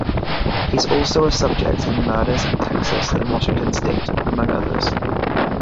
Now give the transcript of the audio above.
He's also a suspect in murders in Texas and Washington state, among others.